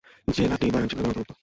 জেলাটি বারাণসী বিভাগের অন্তর্গত।